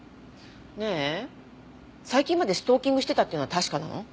ねえ最近までストーキングしてたっていうのは確かなの？